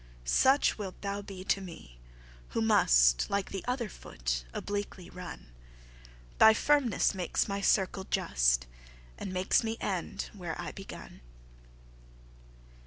Such wilt thou be to mee, who must Like th' other foot, obliquely runne; Thy firmnes drawes my circle just, And makes me end, where I begunne.